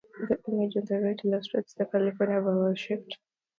This image on the right illustrates the California vowel shift.